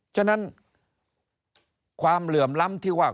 ฉะนั้นความเหลื่อมล้ำที่ว่า